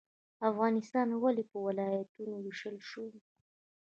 افغانستان ولې په ولایتونو ویشل شوی؟